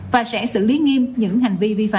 và sẽ xử lý nghiêm những hành vi vi phạm